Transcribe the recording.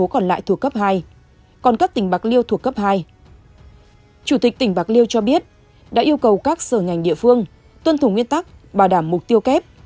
chủ tịch tỉnh bạc liêu cho biết đã yêu cầu các sở ngành địa phương tuân thủ nguyên tắc bảo đảm mục tiêu kép